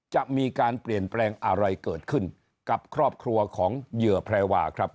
จะมีการเปลี่ยนแปลงอะไรเกิดขึ้นกับครอบครัวของเหยื่อแพรวาครับ